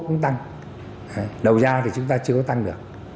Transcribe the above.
chúng ta cũng tăng đầu gia thì chúng ta chưa có tăng được